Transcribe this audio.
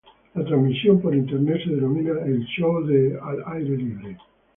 La transmisión por internet se denomina "El Show de Al Aire Libre".